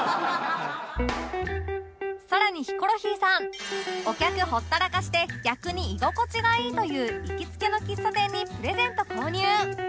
さらにヒコロヒーさんお客ほったらかしで逆に居心地がいいという行きつけの喫茶店にプレゼント購入